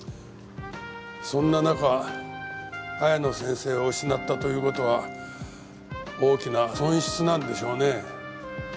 そんな中綾野先生を失ったという事は大きな損失なんでしょうね。